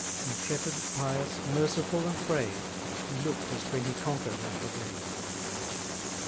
Intrepid, pious, merciful, and brave, He look'd as when he conquer'd and forgave.